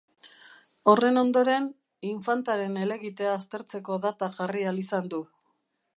Horren ondoren, infantaren helegitea aztertzeko data jarri ahal izan du.